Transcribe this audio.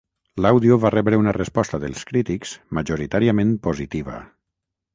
L'àudio va rebre una resposta dels crítics majoritàriament positiva.